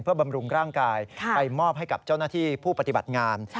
เพื่อบำรุงร่างกายไปมอบให้กับเจ้าหน้าที่ผู้ปฏิบัติงาน